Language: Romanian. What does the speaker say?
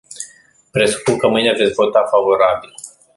Presupun că mâine veți vota favorabil.